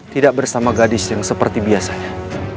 tidak bersama gadis yang seperti biasanya